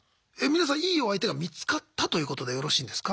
皆さんいいお相手が見つかったということでよろしいんですか？